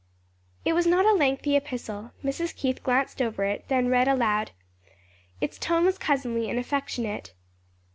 It was not a lengthy epistle. Mrs. Keith glanced over it, then read it aloud. Its tone was cousinly and affectionate.